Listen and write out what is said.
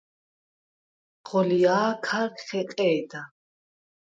ღოლჲა̄ქარ ხეყე̄და.